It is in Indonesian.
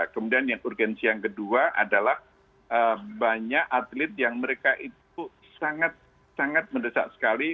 kemudian yang urgensi yang kedua adalah banyak atlet yang mereka itu sangat mendesak sekali